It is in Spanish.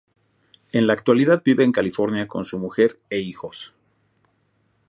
En la actualidad vive en California con su mujer e hijos.